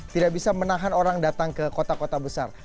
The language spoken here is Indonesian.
tidak bisa menahan orang datang ke kota kota besar